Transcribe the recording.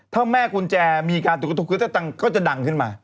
ถ้าแม่กุญแจมีกาตุ๊กทุกตุ๊กก็จะดังขึ้นมา